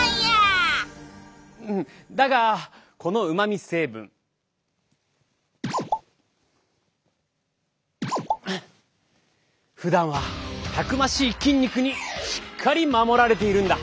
うんだがこのうまみ成分。ふだんはたくましい筋肉にしっかり守られているんだ。